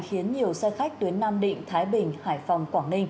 khiến nhiều xe khách tuyến năm địa phương